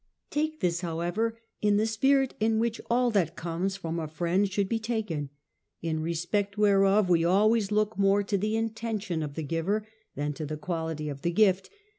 Take this, however, in the spirit in which all that comes from a friend should be taken, in respect whereof we always look more to the intention of the giver than to the quality of the gift.